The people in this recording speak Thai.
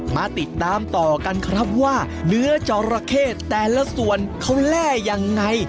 มาติดตามต่อกันครับว่าเนื้อจอราเข้แต่ละส่วนเขาแร่ยังไง